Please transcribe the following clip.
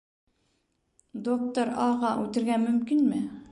Доктор А.-ға үтергә мөмкинме?